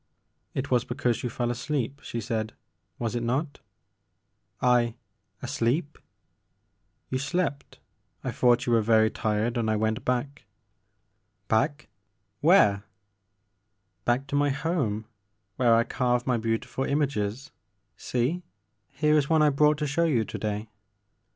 It was because you fell asleep," she said, *' was it not?" "I— asleep?" You slept — I thought you were very tired and I went back " 48 The Maker of Moons. *' Back?— where?'' " Back to my home where I carve my beauti ful images ; sfee, here is one I brought to show you to day.'